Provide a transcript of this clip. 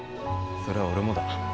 それは俺もだ。